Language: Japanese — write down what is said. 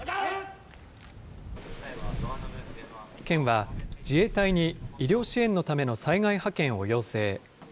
県は、自衛隊に医療支援のための災害派遣を要請。